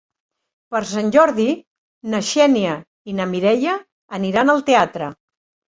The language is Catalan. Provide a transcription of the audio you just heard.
Per Sant Jordi na Xènia i na Mireia aniran al teatre.